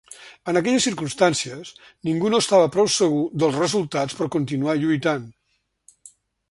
En aquelles circumstàncies ningú no estava prou segur dels resultats per continuar lluitant.